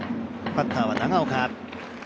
バッターは長岡。